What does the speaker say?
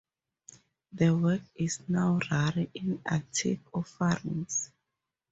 The work is now rare in antique offerings.